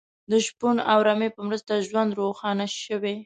د شپون او رمې په مرسته ژوند روښانه شوی.